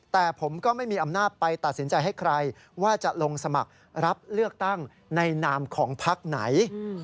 แต่ผมก็ไม่มีอำนาจไปตัดสินใจให้ใครว่าจะลงสมัครรับเลือกตั้งในนามของพักไหน